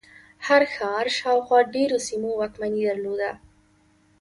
هر ښار شاوخوا ډېرو سیمو واکمني درلوده.